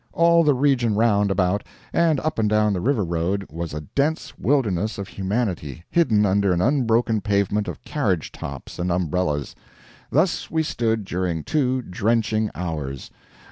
All the region round about, and up and down the river road, was a dense wilderness of humanity hidden under an unbroken pavement of carriage tops and umbrellas. Thus we stood during two drenching hours.